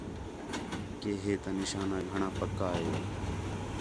کہ ہے تا نشانہ گھݨاں پَکّا ہے